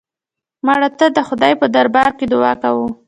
مړه ته د خدای په دربار کې دعا کوو